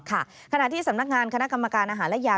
ขณะที่สำนักงานคณะกรรมการอาหารและยา